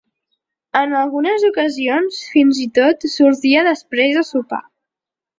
En algunes ocasions fins i tot sortia després de sopar.